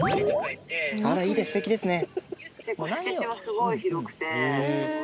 あらいいですステキですね。